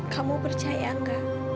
kamu percaya gak